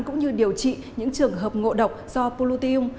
cũng như điều trị những trường hợp ngộ độc do polutium